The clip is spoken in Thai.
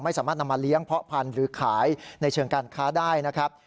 ไม่สามารถนำมาเลี้ยงเพาะพันธุ์หรือขายในเชิงการค้าได้นะครับ